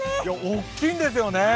大きいんですよね。